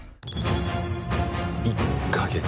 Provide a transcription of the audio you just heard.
１か月。